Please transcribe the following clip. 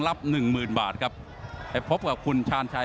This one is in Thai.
รับ๑๐๐๐๐บาทครับและพบกับคุณชานชัย